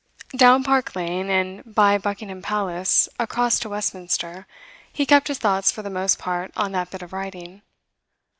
Down Park Lane, and by Buckingham Palace across to Westminster, he kept his thoughts for the most part on that bit of writing.